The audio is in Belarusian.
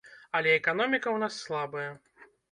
Але эканоміка ў нас слабая.